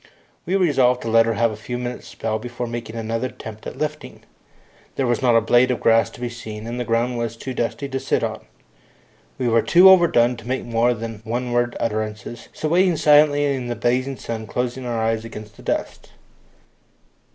We resolved to let her have a few minutes' spell before making another attempt at lifting. There was not a blade of grass to be seen, and the ground was too dusty to sit on. We were too overdone to make more than one worded utterances, so waited silently in the blazing sun, closing our eyes against the dust.